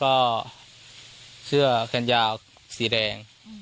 ก็ชุ่มขายาวเชื่อแค่นยาวสีแดง